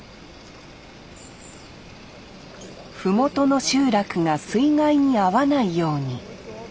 麓の集落が水害に遭わないように。